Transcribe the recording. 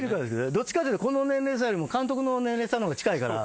どっちかというとこの年齢差より監督の年齢差のほうが近いから。